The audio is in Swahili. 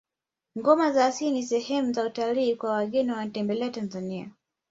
ngoma za asili ni sehemu ya utalii kwa wageni wanaotembelea tanzania